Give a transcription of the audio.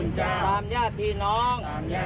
ตามญาติพี่น้อง